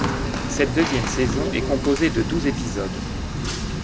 Cette deuxième saison est composée de douze épisodes.